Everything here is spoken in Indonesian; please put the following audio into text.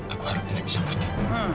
aku harap nenek bisa ngerti